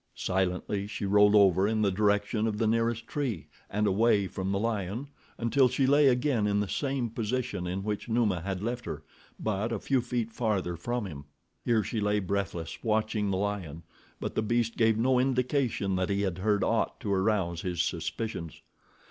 Silently she rolled over in the direction of the nearest tree, and away from the lion, until she lay again in the same position in which Numa had left her, but a few feet farther from him. Here she lay breathless watching the lion; but the beast gave no indication that he had heard aught to arouse his suspicions.